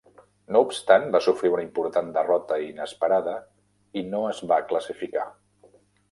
No obstant, va sofrir una important derrota inesperada i no es va classificar.